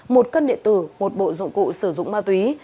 một cân điện tử một bộ dụng cụ sử dụng ma túy